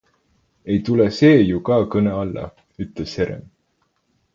"Ei tule see ju ka kõne alla," ütles Herem.